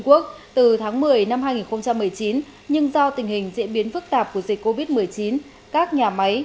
quốc từ tháng một mươi năm hai nghìn một mươi chín nhưng do tình hình diễn biến phức tạp của dịch covid một mươi chín các nhà máy